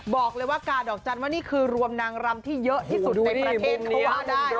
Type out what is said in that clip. บอกเลยว่ากาดอกจันทร์ว่านี่คือรวมนางรำที่เยอะที่สุดในประเทศเขาว่าได้